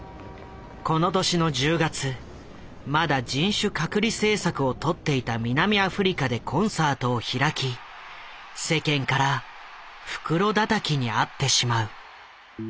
この年の１０月まだ人種隔離政策をとっていた南アフリカでコンサートを開き世間から袋だたきに遭ってしまう。